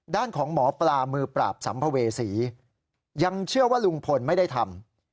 ด้านของหมอปลามือปราบสัมภเวษียังเชื่อว่าลุงพลไม่ได้ทำ